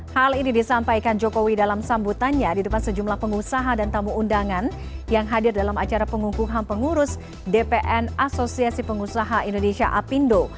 hal ini disampaikan jokowi dalam sambutannya di depan sejumlah pengusaha dan tamu undangan yang hadir dalam acara pengukuhan pengurus dpn asosiasi pengusaha indonesia apindo